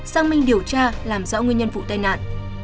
sang minh điều tra làm rõ nguyên nhân vụ tai nạn